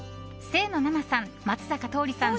清野菜名さん、松坂桃李さん